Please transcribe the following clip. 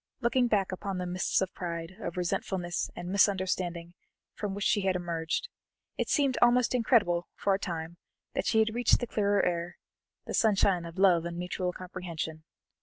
Looking back upon the mists of pride, of resentfulness, and misunderstanding, from which she had emerged, it seemed almost incredible for a time that she had reached the clearer air, the sunshine of love and mutual comprehension.